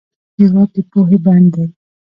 هېواد د پوهې بڼ دی.